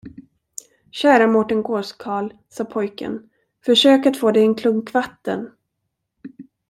Kära Mårten gåskarl, sade pojken, försök att få dig en klunk vatten!